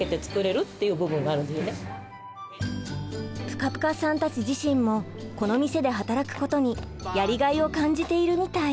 ぷかぷかさんたち自身もこの店で働くことにやりがいを感じているみたい。